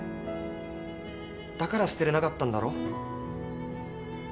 だから捨てれなかったんだろ？